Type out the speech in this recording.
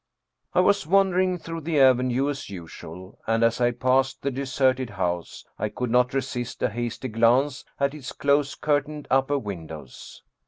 I was wandering through the avenue as usual, and as I passed the deserted house I could not resist a hasty glance at its close curtained upper windows.